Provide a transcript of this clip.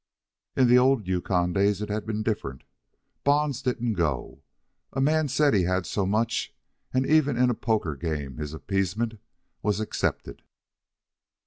In the old Yukon days it had been different. Bonds didn't go. A man said he had so much, and even in a poker game his appeasement was accepted.